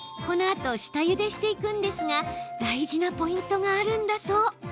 このあと下ゆでしていくんですが大事なポイントがあるんだそう。